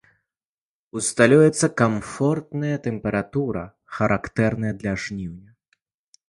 Усталюецца камфортная тэмпература, характэрная для жніўня.